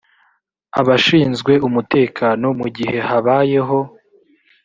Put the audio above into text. abashinzwe umutekano mu gihe habayeho